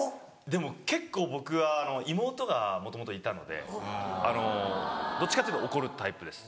でも結構僕は妹がもともといたのでどっちかっていえば怒るタイプです。